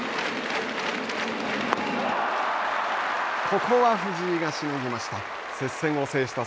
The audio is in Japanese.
ここは藤井がしのぎました。